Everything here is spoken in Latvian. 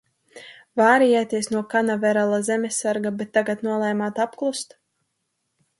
Vārījāties no Kanaverala zemesraga, bet tagad nolēmāt apklust?